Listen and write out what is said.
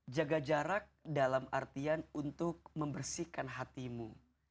jaga jarak dalam artian untuk membersihkan hatimu